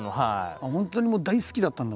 本当にもう大好きだったんだ。